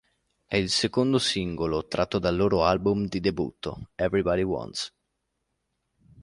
E' il secondo singolo tratto dal loro album di debutto "Everybody Wants".